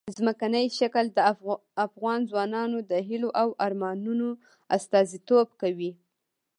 ځمکنی شکل د افغان ځوانانو د هیلو او ارمانونو استازیتوب کوي.